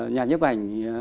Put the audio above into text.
nhà nhiếp ảnh